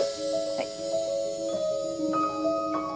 はい。